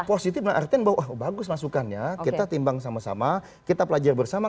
positif artinya bagus masukannya kita timbang sama sama kita belajar bersama